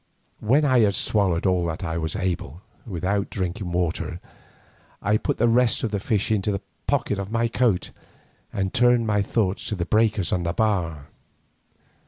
When I had swallowed all that I was able, without drinking water, I put the rest of the fish into the pocket of my coat, and turned my thoughts to the breakers on the bar.